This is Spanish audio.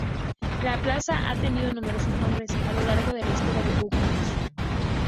La plaza ha tenido numerosos nombres a lo largo de la historia de Budapest.